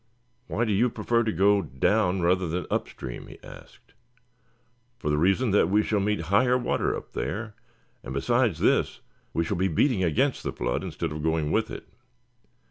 "Why do you prefer to go down rather than upstream?" he asked. "For the reason that we shall meet higher water up there, and besides this we shall be beating against the flood instead of going with it.